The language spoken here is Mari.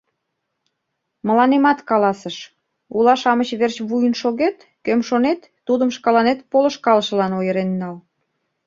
— Мыланемат каласыш: «Ула-шамыч верч вуйын шогет, кӧм шонет, тудым шкаланет полышкалышылан ойырен нал».